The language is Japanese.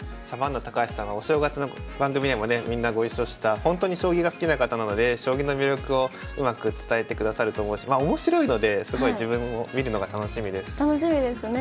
サバンナ高橋さんはお正月の番組でもねみんなご一緒したほんとに将棋が好きな方なので将棋の魅力をうまく伝えてくださると思うし面白いのですごい自分も見るのが楽しみです。